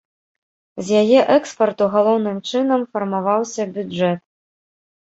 З яе экспарту галоўным чынам фармаваўся бюджэт.